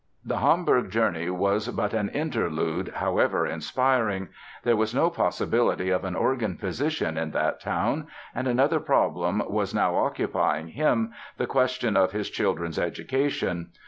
The Hamburg journey was but an interlude, however inspiring. There was no possibility of an organ position in that town. And another problem was now occupying him—the question of his children's education.